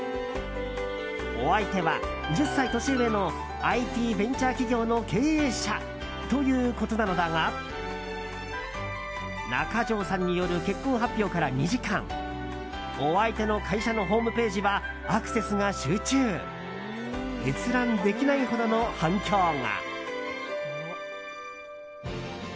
お相手は、１０歳年上のＩＴベンチャー企業の経営者ということなのだが中条さんによる結婚発表から２時間お相手の会社のホームページはアクセスが集中閲覧できないほどの反響が。